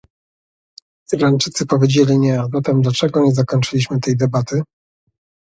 Irlandczycy powiedzieli "nie", a zatem dlaczego nie zakończyliśmy tej debaty?